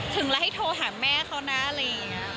ถึงแล้วให้โทรหาแม่เขานะอะไรอย่างนี้